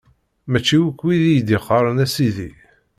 Mačči akk wid i yi-d-iqqaren: A Sidi!